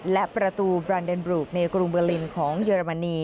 และประตูบรานเดนบรูกในกรุงเบอร์ลินของเยอรมนี